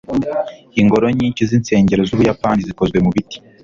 ingoro nyinshi zinsengero zubuyapani zikozwe mubiti